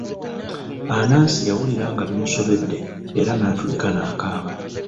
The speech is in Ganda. Anansi yawulira nga bimusobedde eran'atulika n'akaaba